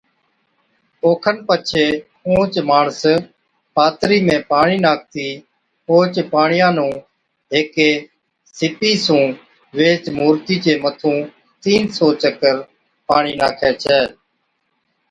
اوکن پڇي اُونھچ ماڻس پاترِي ۾ پاڻِي ناکتِي اوھچ پاڻِيا نُون ھيڪِي سِپِي (ڪوڏا) سُون ويھِچ مُورتِي چي مٿُون تِين سو چڪر پاڻِي ناکَي ڇَي